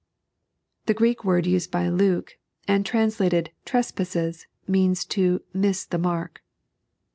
The Greek word used by Luke, and translated treq)asaes, means to miag the mark.